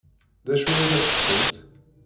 D acu ay la ttettent?